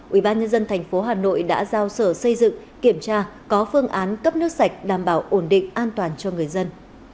ubnd tp hà nội đã giao sở xây dựng kiểm tra có phương án cấp nước sạch đảm bảo ổn định an toàn cho người dân